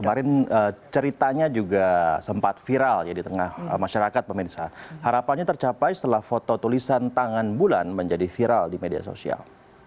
kemarin ceritanya juga sempat viral ya di tengah masyarakat pemirsa harapannya tercapai setelah foto tulisan tangan bulan menjadi viral di media sosial